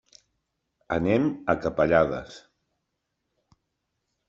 Anem a Capellades.